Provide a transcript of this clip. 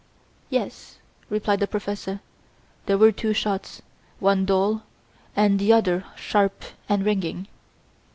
"Yes," replied the Professor, "there were two shots, one dull, and the other sharp and ringing."